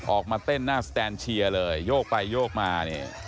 ออกมาเต้นหน้าสแตนเชียร์เลยโยกไปโยกมาเนี่ย